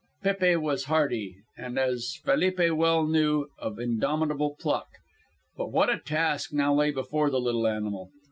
Pépe was hardy, and, as Felipe well knew, of indomitable pluck. But what a task now lay before the little animal.